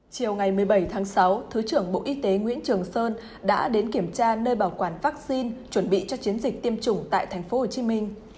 chiều ngày một mươi bảy tháng sáu thứ trưởng bộ y tế nguyễn trường sơn đã đến kiểm tra nơi bảo quản vaccine chuẩn bị cho chiến dịch tiêm chủng tại tp hcm